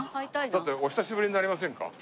だって「お久しぶり」になりませんか？